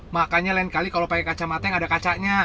makanya lain kali kalau pakai kaca mateng ada kacanya